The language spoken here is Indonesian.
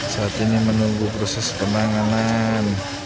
saat ini menunggu proses penanganan